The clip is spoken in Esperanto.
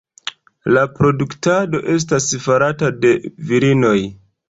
La produktado esta farata de virinoj.